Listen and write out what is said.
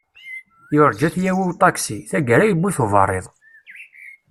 Yurǧa ad t-yawi uṭaksi, taggara yewwi-t uberriḍ.